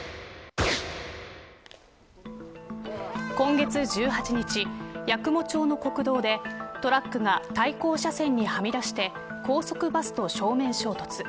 今月１８日八雲町の国道でトラックが対向車線にはみ出して高速バスと正面衝突。